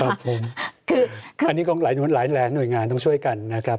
ครับผมคืออันนี้ก็หลายหน่วยงานต้องช่วยกันนะครับ